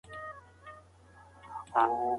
د طبعي علومو څېړنې مهمې دي.